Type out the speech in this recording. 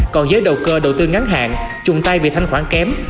còn giới đầu cơ đầu tư ngắn hạn trùng tay vì thanh khoản kém